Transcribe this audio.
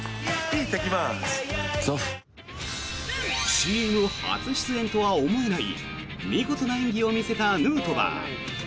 ＣＭ初出演とは思えない見事な演技を見せたヌートバー。